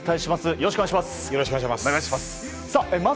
よろしくお願いします。